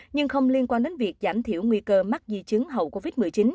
nhưng không liên quan đến việc giảm thiểu nguy cơ mắc di chứng hậu covid một mươi chín